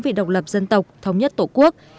vì độc lập dân tộc thống nhất tổ quốc